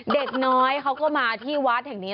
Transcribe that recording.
เด็กน้อยเขาก็มาที่วัดแห่งนี้